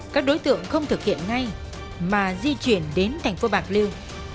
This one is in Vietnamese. các đối tượng không thực hiện ngay mà di chuyển đến thành phố bạc liêu